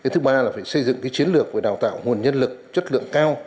thứ ba là phải xây dựng chiến lược về đào tạo nguồn nhân lực chất lượng cao